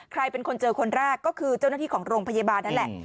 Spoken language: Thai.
ใครเป็นคนเจอคนแรกก็คือเจ้าหน้าที่ของโรงพยาบาลนั่นแหละ